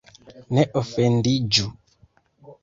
Ne ofendiĝu!